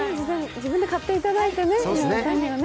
自分で買っていただいてね、井上さんにはね。